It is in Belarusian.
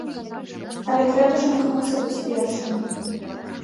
Але трэба ж імкнуцца быць першым.